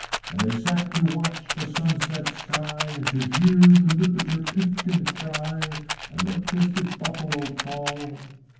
And they sate to watch the sunset sky, And to hear the Nupiter Piffkin cry, And the Biscuit Buffalo call.